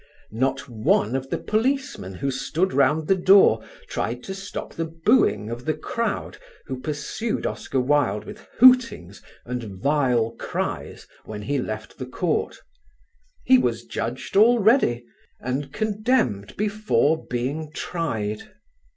Not one of the policemen who stood round the door tried to stop the "booing" of the crowd who pursued Oscar Wilde with hootings and vile cries when he left the court. He was judged already and condemned before being tried.